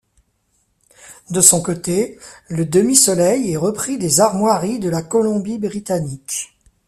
De son côté, le demi-soleil est repris des armoiries de la Colombie-Britannique.